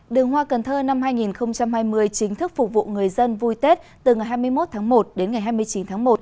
đường hoa cần thơ năm hai nghìn hai mươi chính thức phục vụ người dân vui tết từ ngày hai mươi một tháng một đến ngày hai mươi chín tháng một